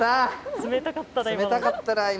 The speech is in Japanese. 冷たかったな今。